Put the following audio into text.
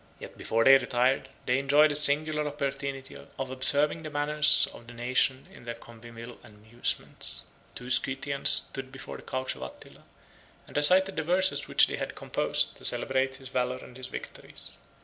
Yet before they retired, they enjoyed a singular opportunity of observing the manners of the nation in their convivial amusements. Two Scythians stood before the couch of Attila, and recited the verses which they had composed, to celebrate his valor and his victories.